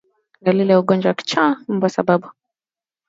Dalili ya ugonjwa wa kichaa cha mbwa ni mnyama kushambulia kusiko na sababu